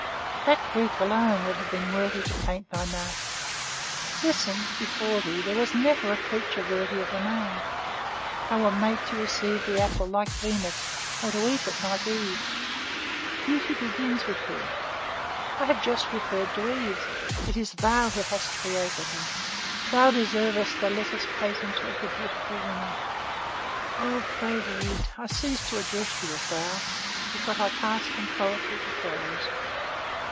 That Greek alone would have been worthy to paint thy mouth. Listen! before thee, there was never a creature worthy of the name. Thou wert made to receive the apple like Venus, or to eat it like Eve; beauty begins with thee. I have just referred to Eve; it is thou who hast created her. Thou deservest the letters patent of the beautiful woman. O Favourite, I cease to address you as 'thou,' because I pass from poetry to prose.